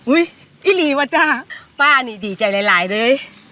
อุ๊ยอิหลีว่าจ้ะป้านี่ดีใจหลายเลย